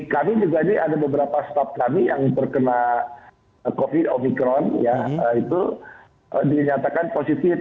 kami juga ini ada beberapa staff kami yang terkena covid omikron ya itu dinyatakan positif